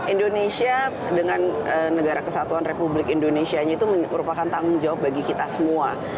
indonesia dengan negara kesatuan republik indonesia itu merupakan tanggung jawab bagi kita semua